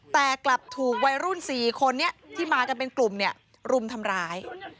แต่กลับถูกวัยรุ่น๔คนนี้ที่มากันเป็นกลุ่มเนี่ยรุมทำร้าย